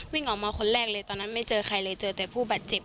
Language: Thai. วิ่งออกมาคนแรกเลยตอนนั้นไม่เจอใครเลยเจอแต่ผู้บาดเจ็บ